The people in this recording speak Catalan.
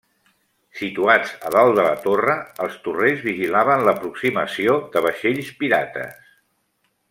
Situats a dalt de la torre, els torrers vigilaven l'aproximació de vaixells pirates.